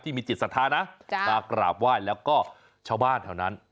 มีจิตศรัทธานะมากราบไหว้แล้วก็ชาวบ้านแถวนั้น